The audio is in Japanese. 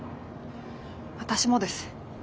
私もです。